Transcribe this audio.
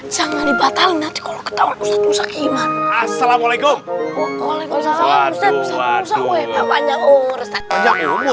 jangan dibatalnya ketawa ustadz ustadz assalamualaikum waalaikumsalam ustadz ustadz